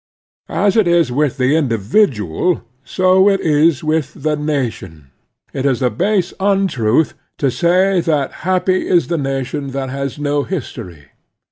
As it is with the individual, so it is with the nation. It is a base untruth to say that happy is the nation that has no history.